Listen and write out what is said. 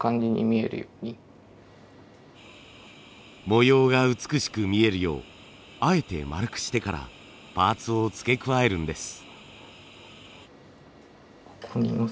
模様が美しく見えるようあえて丸くしてからパーツを付け加えるんです。